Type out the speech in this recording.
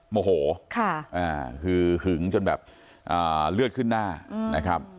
โมโหค่ะอ่าคือหึงจนแบบอ่าเลือดขึ้นหน้าอืมนะครับ